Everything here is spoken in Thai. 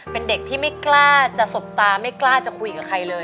เป็นเด็กที่ไม่กล้าจะสบตาไม่กล้าจะคุยกับใครเลย